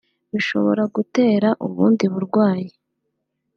bishobora gutera ubundi burwayi